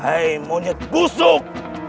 hai monyet busuk